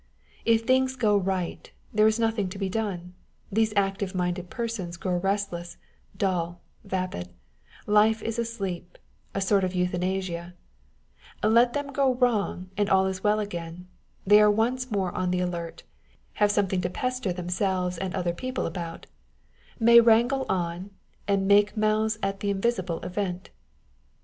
If things go right, there is nothing to be done â€" these active minded persons grow restless, dull, vapid â€" life is a sleep, a sort of euthanasia â€" Let them go wrong, and all is well again ; they are once more on the alert, have some thing to pester themselves and other people about ; may wrangle on, and " make mouths at the invisible event